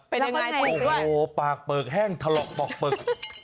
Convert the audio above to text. เป็นยังไงต่อโอ้โหปากเปลือกแห้งถลอกปอกเปลือก